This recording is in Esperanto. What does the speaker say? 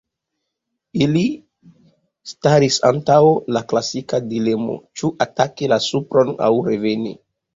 Ili staris antaŭ la klasika dilemo: ĉu ataki la supron aŭ reveni?